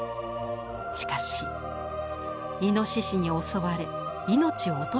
しかしイノシシに襲われ命を落としてしまうのです。